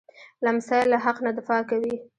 لمسی له حق نه دفاع کوي.